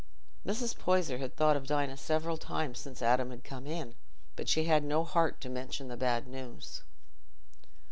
Mrs. Poyser had thought of Dinah several times since Adam had come in, but she had had "no heart" to mention the bad news.